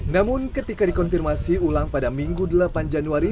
namun ketika dikonfirmasi ulang pada minggu delapan januari